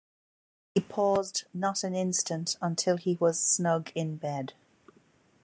He paused not an instant until he was snug in bed.